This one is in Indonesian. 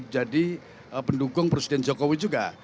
jadi pendukung presiden jokowi juga